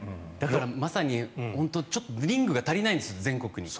まさにリングが足りないんです全国に。